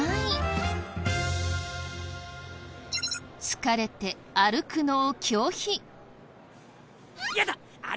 疲れて歩くのを拒否。